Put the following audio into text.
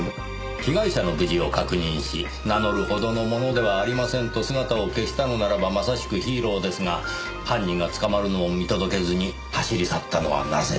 被害者の無事を確認し名乗るほどの者ではありませんと姿を消したのならばまさしくヒーローですが犯人が捕まるのを見届けずに走り去ったのはなぜでしょう？